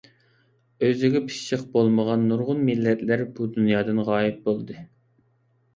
ئۆزىگە پىششىق بولمىغان نۇرغۇن مىللەتلەر بۇ دۇنيادىن غايىب بولدى.